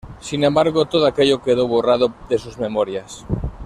Sin embargo todo aquello quedó borrado de sus memorias.